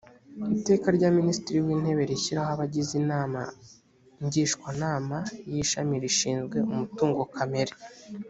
iteka rya minisitiri w’intebe rishyiraho abagize inama ngishwanama y’ishami rishinzwe umutungo kamere